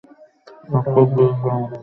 স্বাক্ষর দিয়ে দাও, ভাই।